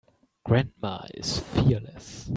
Grandma is fearless.